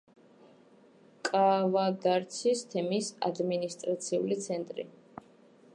კავადარცის თემის ადმინისტრაციული ცენტრი.